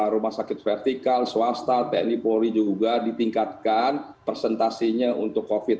rumah sakit vertikal swasta tni polri juga ditingkatkan presentasinya untuk covid